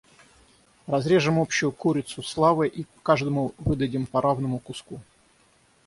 Разрежем общую курицу славы и каждому выдадим по равному куску.